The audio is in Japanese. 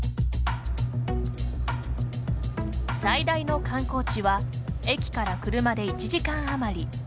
最大の観光地は駅から車で１時間あまり。